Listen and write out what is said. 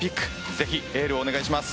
ぜひ、エールをお願いします。